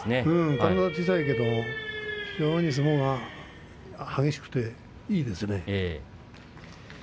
体は小さいけれども非常に相撲が激しくていいですね。